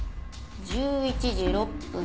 １１時６分に。